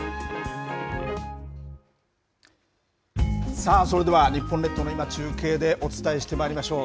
さあ、それでは日本列島の今、中継でお伝えしてまいりましょう。